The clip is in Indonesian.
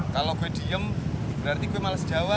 kalau gue diem berarti gue males jawab